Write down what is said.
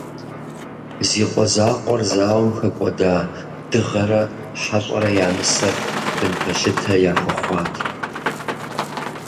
Зи къуэ закъуэр зауэм хэкӏуэда Дыгъэрэ Хьэщӏэрэ я нысэр бын пэлъытэ яхуэхъуат.